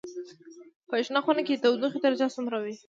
په شنه خونه کې د تودوخې درجه څومره وي؟